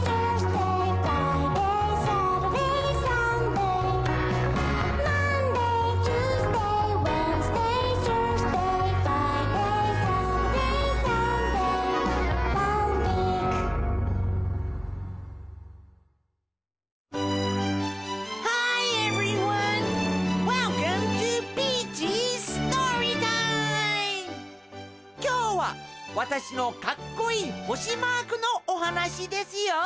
’ｓＳｔｏｒｙＴｉｍｅ．きょうはわたしのかっこいいほしマークのおはなしですよ。